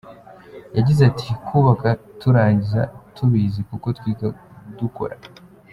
Yagize ati “kubaka turangiza tubizi kuko twiga dukora.